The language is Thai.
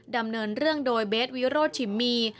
ดำเนินเรื่องโดยเบสวิโรธชิมมี